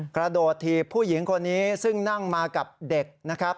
กระโดดถีบผู้หญิงคนนี้ซึ่งนั่งมากับเด็กนะครับ